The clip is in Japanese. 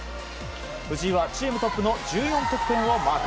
藤井はチームトップの１４得点をマーク。